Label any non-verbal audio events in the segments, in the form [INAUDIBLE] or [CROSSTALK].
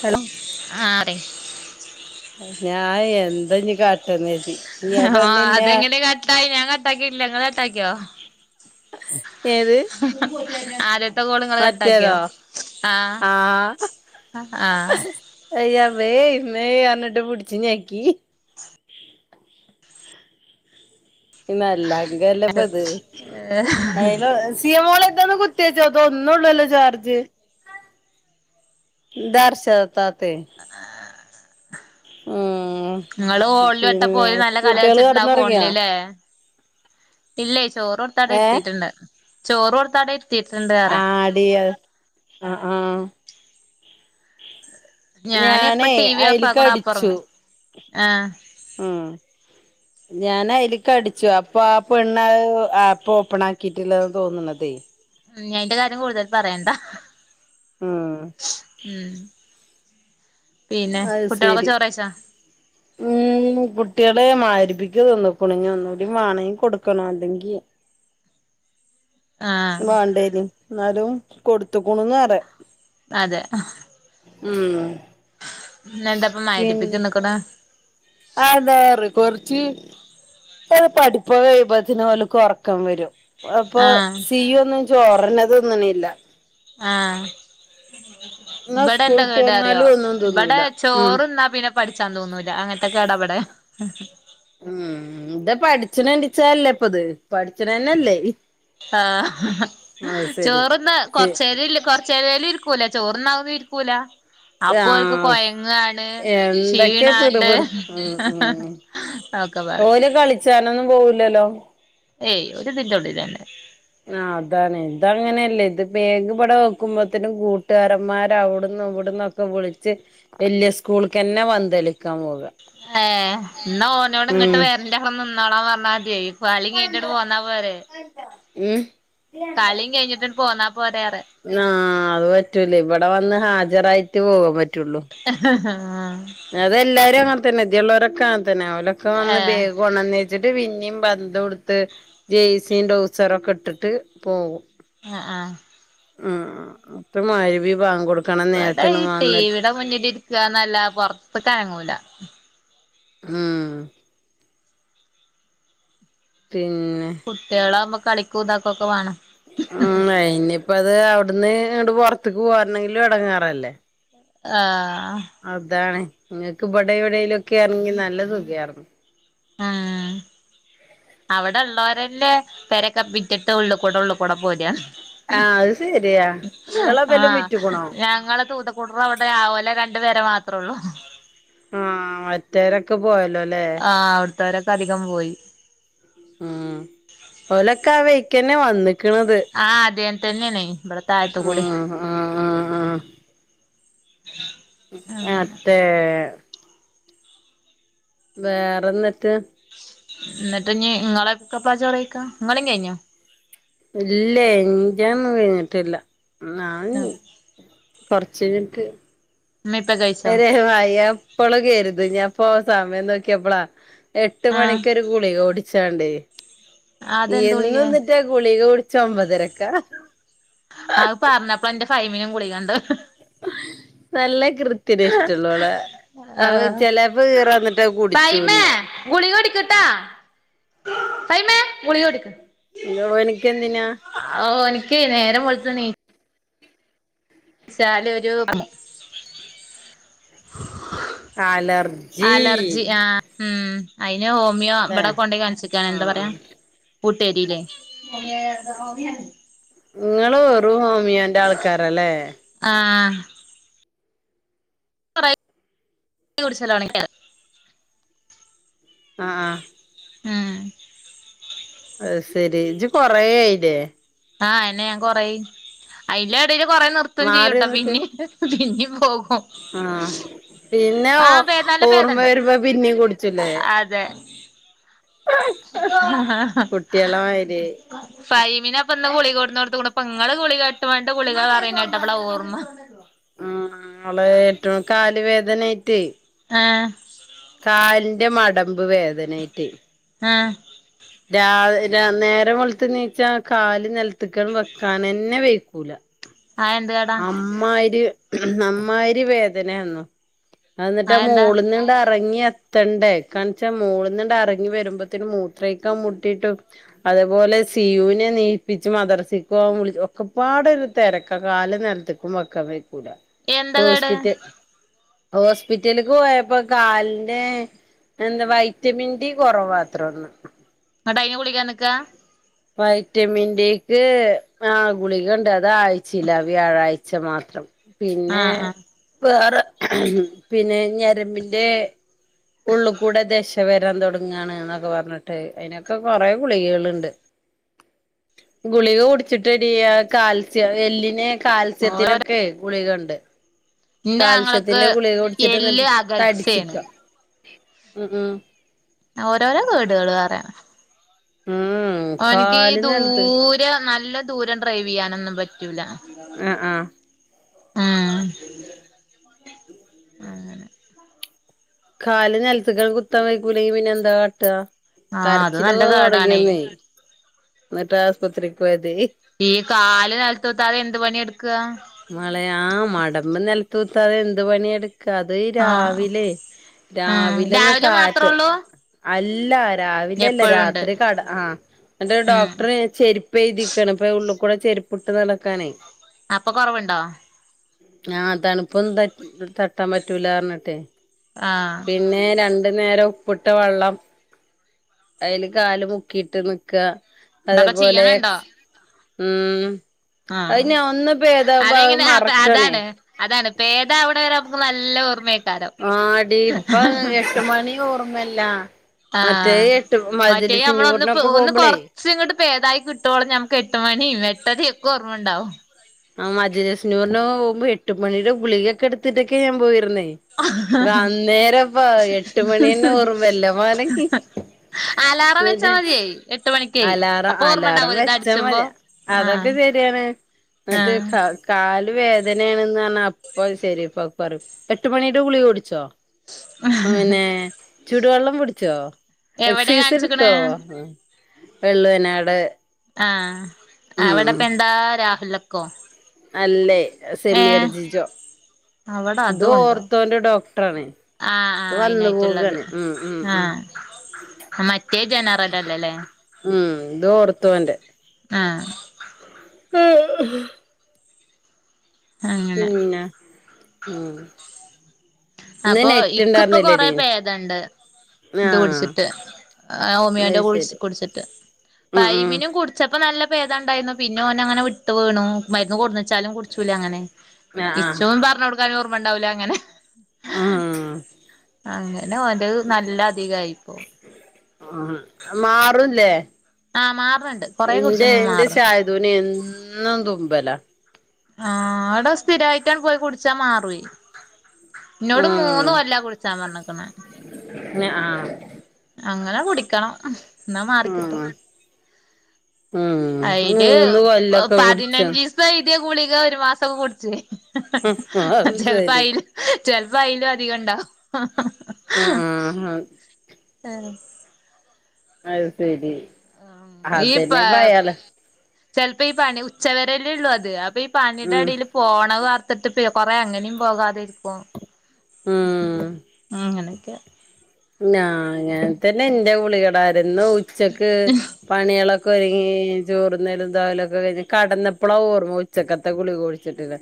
Hello ആഹ അതെ ഞാൻ എന്താഞ്ഞി കാട്ടന്ന് ഇനി ആ ആഹ പെണ്ണ് ഇന്നെ അതെങ്ങനെ കട്ടായി ഞാൻ കട്ടാക്കി ഇല്ല ങ്ങള് കട്ടാക്കിയോ ഏത് ആര് ൻ്റെ കോൾ ങ്ങൾ മറ്റേതോ കട്ടാക്കിയോ ആഹ ആഹ അയ്യവേ മ്മെ അർഞ്ഞിട്ട് പുടിച്ച് ഞെക്കി ഇന്നല്ല [UNINTELLIGIBLE] ഇപ്പൊ ഇത് [UNINTELLIGIBLE] [UNINTELLIGIBLE] ഒന്നള്ളല്ല ജാർജ് ഇത ർശ താത്തെ ഉം ങ്ങള് ഹോളിൽ വട്ട പിന്നെ പോയി നല്ല കളി കുട്ടികള് കച്ചിട്ടുണ്ടാവും കെടന്നൊറങ്ങിയോ ഫോണിലല്ലേ ഇല്ലേ ചോറ് കൊടുത്താടെ ഇരുത്തിട്ട്ണ്ട് ചോറ് കൊടുത്താടെ ആടീ അത് ആ ആഹ ഞാന എപ്പ ഞാനേ ടി വി ഓഫ് അയില്ക്ക് ആകണോ അപ്പോ ഉറങ്ങും ആഹ ആഹ ഞൻ അതിലക്ക് അടിച്ചു അപ്പൊ ആ പെണ്ണ് ആപ്പ് ഓപ്പൺ ആക്കിട്ടില്ലന്ന് തോന്നണതേ ഞ യിൻ്റ് കാര്യം കൂടുതൽ പറയേണ്ട ആഹ് ഉം പിന്നെ അത് കുട്ടികളൊക്കെ ശരി ചോറയിച്ചോ ഉം കുട്ടികളെ മാരിപിക്ക തിന്ന് കണ് ഒന്നുകൂടി വാണങ്കിൽ കൊടുക്കണം അല്ലെങ്കിൽ ആഹ് വണ്ടെനു എന്നാലും കൊടുത്തക്കണന്ന് പറ അതെ ഉം ഇന്ന് എന്താപ്പ മാരിപ്പിക തിന്ന് കണ് അ അതെറ കൊറച്ച് ഇറ്റലെ പഠിപ്പ് ഒകെ കഴ്പത്തിന് ഓൽ കൊറക്കം വരും അപ്പൊ ആഹ് സിയു ഒന്നും ചോറ് എന്നെ തിന്ന് നില്ല ആഹ എന്നാ ഇവിടെ എന്താ സ്കൂളിട്ട് കാട്ട അറിയോ വന്നാലും ഒന്നും ഇട തിന്നൂല ഉം ചോറന്നാ പിന്നെ പഠിച്ചാൻ തോന്നൂല അങ്ങനത്തെൊക്കെ ഇടപടെ ഉം ഇത പഠിച്ചണ എണ്ടിച്ചല്ലേ ഇപ്പൊത് പഠിച്ചണ തന്നെല്ലേ ആഹ് ചോറന്ന് കൊറച്ചര കൊറചേര ഇരിക്കും രിക്കൂല ചോറന്നാവുന്ന ഇരിക്കൂല അപ്പൊ അവക്ക് ആഹ് കൊയങ്ങാണ് എന്തൊക്കെ ക്ഷീണാണ്ട് പിറുപിറു ഒക്കെ പറയും ഓൽ കളിച്ചാനൊന്നും പോവില്ലല്ലോ ഏയ് ഓൽ ഇതിൻ്റെ ഉള്ളിൽ തന്നെ ആ അതാണ് ഇത അങ്ങനെയല്ലേ ഇത് ബേഗ് ഇവിടെ വെക്കുംമ്പോത്തേനും കൂട്ടുകാരന്മാർ അവിടുന്നും ഇവിടുന്നും ഓക്കേ വിളിച്ച് വലിയ സ്കൂൾക്ക്ന്നെ വന്തേളിക്കാൻ പോകുക ഏ ന്നാ ഓനോട് ഇങ്ങോട്ട് വരണ്ട അവിടെ നിന്നോളാൻ പറഞ്ഞാൽ മതി കളി കേട്ടിട്ട് പോന്നാ പോരെ ഉം കളി കഴിഞ്ഞിട്ട പോന്നാൽ പോരറെ ആ അത് പറ്റൂല ഇവിടെ വന്ന് ഹാജരായിട്ട് പോകാൻ പറ്റുള്ളൂ ആഹ് ആഹ് അതെല്ലാരും അങ്ങനത്തന്നെദ്യ ഉള്ളവരൊക്കെ അങ്ങന തന്നെ അവലൊക്കെ വന്ന് ഏഹ് ബേഗ് പോണം ന്ന് വിചാരിച്ചിട്ട് പിന്നെയും പന്തും എ ടുത്ത് ജേസിയും ട്രാവ്സ് റൊക്കെ ഇട്ടിട്ട് പോകും ആഹ ആഹ ഉ പ്പ മയ്രിബി ബാഗൊട് - ഇവടെ ഈ ട്ടീവിടെ മുന്നിലിരിക്കാ ന്നല്ലാതെ പൊറത്ത് ക്കനങ്ങൂല. ഉം പിന്നെ കുട്ട്യേളാമ്പോ കളിക്കൂതാകൊക്കെ വാണം. ഉം അയ്നിപ്പതെ അവ്ട്ന്ന് ഇങ്ങ്ട് പൊറത്ത്ക്ക് പോരണെങ്കിലും എടങ്ങേറല്ലേ. ആ ഹ് അതാണ് നിങ്ങക്ക് ഇവടെവ്ടേങ്കിലൊക്കെയാര്നെങ്കി ന്നല്ല സുഖയാർന്നു. ആ ഹ് അവട്ള്ളോരെല്ലേ പെരൊക്കെ വിറ്റിട്ട് ഉള്ള്കൂടെ ഉള്ള്കൂടെ പോരാണ്. ആഹ് അത് ശരിയാ ഇങ്ങളെ ആ ബലും വിറ്റ്ക്ക്ണോ ഞങ്ങളെ തൂ ത കൂട്റവടെ ആവോല രണ്ട് പെരമാത്രോള്ളു. ആഹ ഒറ്റേരൊക്കെ പോയല്ലോ ലെ. ആ അവ്ട്ത്തോരൊക്കെ അധികം പോയി. ഉം ഓലൊക്കെ ആ വയ്ക്കനെ വന്ന്. ആ അതേൻതെനെണേയ് ഇവടെ തായ്ത്ത്ക്കൂടേ- ഉം ആ ആ ആ [INAUDIBLE] അ ത്തേ വേറെന്ന്ട്ട്. ഇന്ന്ട്ടിഞ്ഞി ഇങ്ങളെക്കെപ്ലാ ചോറെയ്ക്ക ഇങ്ങളേം കയ്ഞ്ഞോ? ഇല്ലേ എന്റെയൊന്നും കയ്ഞ്ഞിട്ടില്ല ഉം ഞാൻ- കൊറച്ചയ്ഞ്ഞിട്ട്. ഇമ്മേം ഇപ്പേം കയ് - ന്നേരെ വായ എപ്പളും കെരുതും ഞാപ്പോ സമയം നോക്കിയപ്പളാ എട്ട് ആഹ് മണിക്കൊരു- ഗുളിക കുടിച്ചാണ്ട് അതെന്ത് എന്നും ഗുളികേ ന്ന്ട്ടാ- ഗുളിക കുടിച്ച ഒമ്പതരക്ക. അത് പറഞ്ഞപ്പന്റെ ഫൈമിനും ഗുളികണ്ട്. ന്നല്ലെ കൃ ത്തിന് ഇഷ്ട്ട്ള്ളോളെ അവര് ആഹ് ചെലേപ്പോ ഈറ വന്നിട്ട് അത് കുടിച്ചൂല്ല. ഗുളിഗകുടിക്ക്‌ട്ടാ ഫൈമേ ഗുളിഗകുടിക്ക്‌ യൊവനിക്കെന്തിനാ? ഓൻക്കെയ് ന്നേരം വെള്ത്ത് നീ ച്ചാലൊരു- അലർജി അലർജി ആ. ഉം അയ്ന് ഹോമിയോ ല്ലേ ഇബടെ കൊണ്ടയ് കാണിച്ചിക്കാണ് എന്താ ആഹ് പറയാ. ആഹ് കൂട്ടുവരിലെയ്. ഇങ്ങള് വെറും ഹോമിയൊന്റെ ആൾക്കാറലേ. ആഹ് കൊറയ് കുടിച്ചലൊയ്‌ ആ ആ അത് സെരി ജ്ജ് കൊറേയായില്ലേ. ആഹ് അയനെ ഞാൻ കൊറയ് അയ്ന്റെടേല് കൊറേ ന്നിർത്തും മാറി ചെയ്യൂട്ടാ പിനേം. പിനേം പോകും. ആഹ പിനെ ഓ ആഹ് പേ നല്ല ഓർമ്മ വെരുമ്പ പിനേം കുടിച്ചുംല്ലേ. ലെ ഹ ഹ ഹ കുട്ടികളെ മാതിരി ഫൈമിനെ ഇപ്പന്ന് ഗുളിക കൊടുന്നൊടുത്തുക്കുണു ഇപ്പ്ങ്ങള് ഗുളിക ട്ത്ത് വൻട്ട് ഗുളിക പറയണ കേട്ടപ്പളാ ഓർമ. [INAUDIBLE] ആ ഞങ്ങളെറ്റൊ കാല് വേദനെയ്റ്റെ. ആഹ് കാലിന്റെ മടമ്പ് വേദനയിറ്റ് ആഹ് രാവിലെ നേരം വെളുത്തെണീച്ചാ കാല് നിലത്തക്കട് വെക്കാനനെന്നെ വെയക്കൂല ആ എന്ത അമ്മാതിരി അമ്മാതിരി വേദനയന്നു അ എന്നിട്ട് ആ എന്താ മോളന്ന്ണ്ട് ഇറങ്ങിയ ത്തണ്ടേ കണച്ചാ മോള്ന്നണ്ട് എറങ്ങി വരുമ്പോത്തന് മൂത്രേക്കാന് മുട്ടിട്ടു അതേപോലെ സിയുവിനെണീപ്പിച്ച് മദ്രസ്സക്കുവാൻ വിളിക്കും ഒക്കെപ്പാടൊരു തിരക്കകാല നേരത്തെക്കുംവെക്കാൻ പറ്റൂല എന്താ കേട് ഹോസ്‌പിറ്റ ഹോസ്പിറ്റലക്ക് പോയപ്പോ കാലിന്റെ എന്താ വൈറ്റമിൻ ഡി കുറവാത്രെന്നു ന്നിട്ടായിന് ഗുളിക തന്നിക്ക വൈറ്റമിൻ ഡി ക്ക് ആ ഗുളികണ്ട് അത് ആഴ്ചിലാ വ്യാഴാഴ്ച ച്ചമാത്രം പിന്നെ ആഹ് ആഹ് വേറെ പിന്നെ ഞരമ്പിന്റെ.. ഉള്ളുകൂടെ ദശ വരാൻ തൊടങ്ങണ് ന്നൊക്കെ പറഞ്ഞിട്ട്. പിന്നൊക്കെ കുറെേ ഗുളികള്ണ്ട്.. ഗുളിക കുടിച്ചിട്ടടി ആ. കാൽസ്യ അ എല്ലിനെ ഓരോരോ കാൽസ്യത്തിനൊക്കെ ഗുളികണ്ട്.. ഇന്റെ ആങ്ങളക്ക് കാൽസ്യത്തിന്റെ ഗളിക കുടിച്ചിട്ട് എല്ല് ന്നട്ട് തടിച്ചിക്ക. അകൽച്ചേണ് മ്മ്ഹ്ഹ്.. അ. ഓരോരോ കെടുകള് പറയ.. മ്മ്ഹ്ഹ്.. ഓന്ക്. ഈ ദൂരെ നല്ല ദൂരം ഡ്രൈവ് ചെയ്യാനൊന്നും പറ്റൂല.. ആ ആ.. ആഹആ.. കല് നൽത്തക്കണ്ട്. കുത്താ വെയി ക്കൂലങ്കി. പിന്നെ എന്താ കാട്ട്അ. ആഹ് അത് നല്ല കരച്ചിലൊക്കെ കേടാണേ തൊടങ്ങിയന്നേ.. ന്നിട്ടആസു്പത്രികൊയതേ. ഈ കാല് നെൽത്തുതാതെ. എന്ത് പണിയട്ക്അ. മളെ ആ മടബ് നെലത്തൂത്താതെ. എന്ത് പണിയെടുക്ക.. ക അത് ആഹ് രാവിലെ ഉം രാവില ഒന്ന് രാവിലെ തായത്. മാത്രൊള്ളൂ അല്ല രാവില അല്ല എപ്പഴുണ്ട് രാത്രി കട ആഹ. എന്നിട്ടൊരു. ഉം ഡോക്ടറേ.. ചെരിപ്പെഴുതിക്കാണ്. ഇപ്പൊ ഉള്ളു. കൂടെ ചെര്പ്പ്ട്ട്. നടക്കാണെയ്. അപ്പൊ കൊറവുണ്ടോ.. ആഹ്. തണു പ്പൊന്നും പറ്റ് തട്ടാൻ പറ്റൂലാർ ഞ്ഞിട്ടെ ആഹ് പിന്നെ രണ്ട്.. നേരം ഉപ്പിട്ട വള്ളം അയിൽ കാല് മുക്കിയിട്ട് നിക്അ.. ഇതൊക്കെ അതേപോലെ ചെയ്യണുണ്ടോ മ്മ്ഹ്. ആഹ് അതിന്ന് അന്ന പേ. അതെങ്ങനെ അത് അതാണ് അതാണ് പേ ടാവ്ണവരെ നമക് നല്ല ഓർമേ ആ. ടി പ്പ എട്ട് മണി ഓർമ്മല്ല.. മറ്റേ ആഹ് എട്ട് മജ്ലിസിന്നൂറിനൊക്കെ പോവുമ്പളേ.. ച് ഇങ്ങണ്ട്. പേതായി കിട്ടോളം. ഞമക്ക് എട്ട് മണിം. എട്ടരിം. ഒക്കെഓർമ്മ ണ്ടാവും.. ആ മജ്‌ലിസുനൂർന് പോവുമ്പോ എട്ട് മണിയുടെ ഗുളികൊക്കെ എടുത്തിട്ടൊക്കെ ഞാൻ പോയിര്ന്നേ.. അന്നേരപ്പ എട്ട്മണിന്നെ ഓർമല്ല വാണങ്ങി.. അലാറം വെച്ചാ ന്ന്ട്ട് മതിയേ എട്ട് മണിക്കേ അലാറം. അപ്പൊ ഓർമ്മ അലാറം ഉണ്ടാവൂലോ ഇത് വെച്ചാ അടിച്ചുമ്പോ മതിയ.. ആഹ് അതൊക്കെ ശരിയെണ് മറ്റേ. ആഹ് ക്ക. കാല് വേദനണന്ന് പറഞ്ഞാ അപ്പ ശരിപ്പ പറയും എട്ട് മണീടെ ഗളിക കു ടിച്ചോ. ഹ്. മ്ന്നെ. ചൂടുവള്ളം പുടിച്ചോ. എവിടെ എക്സൈസ് കാണിച്ചിക്കണ് എടുത്തോ വെള്ളവ്നാട്. ആഹ അവിടെപ്പന്താ രാഹുലൊക്കോ. അല്ലേ സെമിർജിജോ അവിടെ ഇത് അതും ഉണ്ടോ ഓർത്തോന്റെ ഡോക്ടറാണ്.. ആഹ് ത് ആഹ് വന്നു അയിനായിട്ടുള്ളത് പോകെണ്. മ്ഹ്. മ്ഹ്. മ്ഹ്.. ആഹ് മറ്റേ ജനറൽ അല്ലല്ലേ മ്മ്ഹ്. ഇത് ഓർതൊന്റെ.. ആഹ.. ഹ് ഹ ഹ്.. അങ്ങനെ പിന്നെ മ്മ്ഹ്. അപ്പൊ ഇക്ക്. ഇപ്പൊ കൊറെ പേദണ്ട്. ഇത് ആഹ് കുടിച്ചിട്ട് ഹ്ഹ്. ഓമിയോന്റെ അത് കുടി ശരി കുടിച്ചിട്ട് ഉം ഉം പൈമിനുംകുട്.. ചപ്പോ നല്ല പേദംണ്ടായിന്നു പിന്നെ ഓന് അങ്ങനെ വിട്ട് വീണു. മരുന്ന് കൊടന്നെച്ചാലും കുടിച്ചൂല അങ്ങനെ ആഹ് ഇച്ചും പർടുക്കാനും. ഓർമ്മ ണ്ടാവുല. അങ്ങനെ.. ആഹ് ഉം അങ്ങനെ ഓന്റെഹ് നല്ല അധികയിപ്പോ മഠ മ്ഹ്. മാറുല്ലേ... ആ മാർണ് ണ്ട് കൊറെ കുടിച്ചുമൊ മാർണ് ണ്ട്. എതുന്. എന്നും തുമ്പല. ആഹ അവടെ സ്ഥിരായിട്ടാണ്ട് പോയി കുടിച്ചാ മാറൂയ്.. ന്നോട് മൂന്ന് കൊല്ല കുടിച്ചാ പർണ് ക്ണ്. മ അങ്ങനെ കുടിക്കണം എന്നാ ഉം മാറിക്കിട്ടു ഉം അതില് മൂന്ന് കൊല്ലൊക്കെ കുടിച്ചോ പതിനഞ്ച് ഇപ്പ ഇത ഗുളിക ഒരു മാസം കുടച്ച്േ അത് ചെിലപ്പോ ശരി അയിൽ ചിലപ്പ അയയിലും അധികം ഇണ്ടോ ആഹ ആഹ് ആഹ അത് ശരി. ആ ഈ, അതന്നെ ഇപ്പ അയാള് ചെിലപ്പോ ഈ പണി ഉച്ചവരല്ലേ ഉള്ളൂ അത് അപ്പൊ പണിയുടെ ഉം അടിൽ പോണ വാർത്തിട്ട് കൊറ അങ്ങനും പോകാതിരിക്കും. ഉം ഉ എനക്ക്. ാ ങ്ങന തന്നെ എൻന്റെറെ ഗളികടായിരുന്നു ഉച്ചക്ക് പണികളൊക്കെ ഒരുങ്ങി ചോറന്നലും തോലൊക്കെ കഴിഞ് കടന്ന എപ്പളാ ഓർമ്മോ ഉച്ചക്കത്തെ കുളി കുഴിച്ചിട്ടില്ല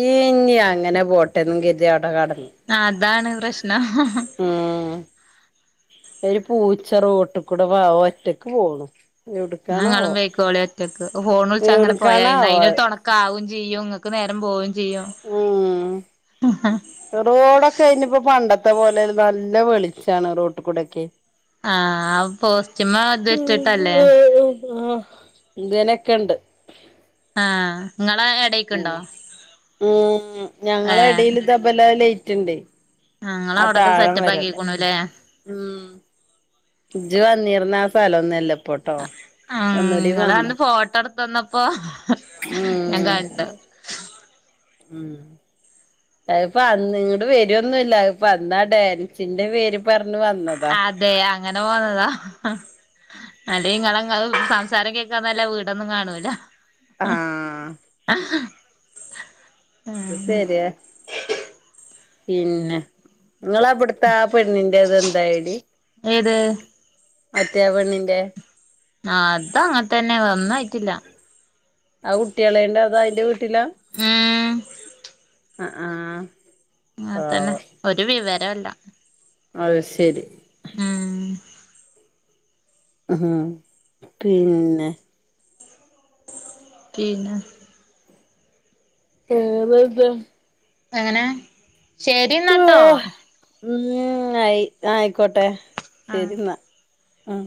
ഈ ഇഞ്ഞ അങ്ങനെ ബോട്ടന്നും കതി അവിടെ കടന്നു ആ അതാണ് പ്രശ്നം. ആ. ഒരുര് പൂച്ച റോട്ട കൂടെ വ ഒറ്റക്ക് പോണ. ാങ്ങളും വേക്കോളേ ഒറ്റക്ക് ഫോൺ വിളിച്ച അങ്ങനെ പോയായി എവിടുക്കാണാവോ അതിനൊ അത് ാവയും ചെയ്യും ഇങ്ങക്ക് നേരം പോവയും ചെയ്യും. ഉം റോഡൊക്കെ കയിഞ്ഞ ഇപ്പൊ പണ്ടത്തെ പോലെ നല്ല വെളിച്ചാണ് റോട്ട് കൂടെൊക്കെ. ആഹ അപ്പൊ ആ ഇങ്ങനൊക്കെ ഉണ്ട് ആഹ നിങ്ങളെ ഉ ഉ ഞങ്ങള ഏഹ് ഇടയിൽ ഇ തബല ലേറ്റ്ുണ്ട്േ ഞങ്ങൾ അവിടൊക്കെ സെറ്റപ്പ് ആക്കിക്കണുല്ലേ ഉം ജ വന്നിരുന്ന ആ സ്ഥലം ഒന്നും ഇല്ലപ്പോട്ടോ ഉ നിങ്ങ വന്ന് ഫോട്ടോ എടുത്തു വന്നപ്പോ ഞാൻ ഉം കണ്ടിട്ട ഉം അപ്പൊ അ നിങ്ങുടെ പേരൊന്നുമല്ല ഇപ്പ അന്നാ ഡാൻസിന്റെ പേര് പറഞ്ഞഞ് വന്നത് അതെ അങ്ങനെ പോന്നതാ അല്ലങ്ങളത് സംസാരം കേൾക്കാന്നല്ല വീടൊന്നും കാണൂല ആഹ് അ ശെരിയാ പിന്നെ. നിങ്ങളവിടു ആ പെണ്ണിന്റെ അത് എന്താായിടി ഏത് മറ്റേ പെണ്ണിന്റെ. ആ അത അങ്ങനത്ത തന്നെ വന്നായിട്ടില്ല. ആ കുട്ടികളണ്ട അതാ അതിറെ വീട്ടിലാ. ഉം ആഹ. അങ്ങത്തന്നെ ഒരു വിവരല്ല. അത് ശരി. ആം. ഉ ഹും പിന്നെ? പിന്നെ? ഏത് ത്? എങ്ങനെ ശരിന്നാട്ടോ. ഉം ആയി ആയിക്കോട്ടെ ആഹ് ശരി ന്നാ ഉം.